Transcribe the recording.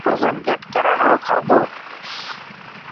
وزن گهٽ ڪرڻ رو کادو.